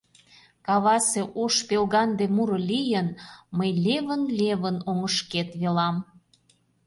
Кавасе ош-пелганде муро лийын, Мый левын-левын оҥышкет велам.